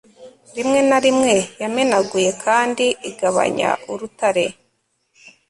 rimwe na rimwe yamenaguye kandi igabanya urutare